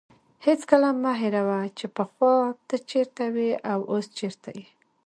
هېڅکله مه هېروه چې پخوا ته چیرته وې او اوس چیرته یې.